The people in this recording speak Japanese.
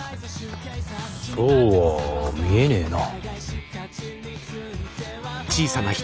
そうは見えねえな。